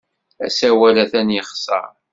Asawal atan yexṣer.